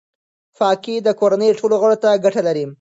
پاکي د کورنۍ ټولو غړو ته ګټه لري.